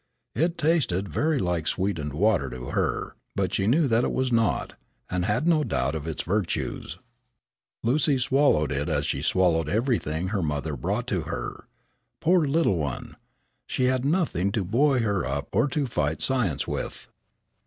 It tasted very like sweetened water to her, but she knew that it was not, and had no doubt of its virtues. Lucy swallowed it as she swallowed everything her mother brought to her. Poor little one! She had nothing to buoy her up or to fight science with.